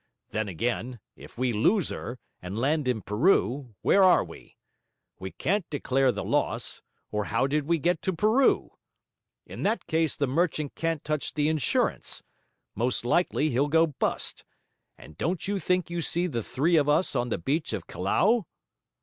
Then again, if we lose her, and land in Peru, where are we? We can't declare the loss, or how did we get to Peru? In that case the merchant can't touch the insurance; most likely he'll go bust; and don't you think you see the three of us on the beach of Callao?'